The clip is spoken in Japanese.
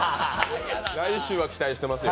来週は期待してますよ